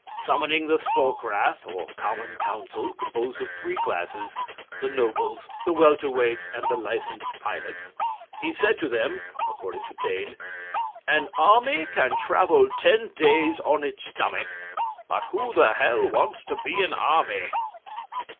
Summoning the Storkrath, or common council (composed of three classes: the nobles, the welterweights, and the licensed pilots) he said to them: (according to Taine) "An army can travel ten days on its stomach, but who the hell wants to be an army?"